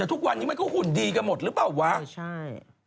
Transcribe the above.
แต่ทุกวันนี้มันก็หุ่นดีกันหมดหรือเปล่าวะใช่